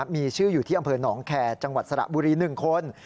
มีชื่ออยู่ที่อำเภอหนองแคร์จังหวัดสระบุรี๑คน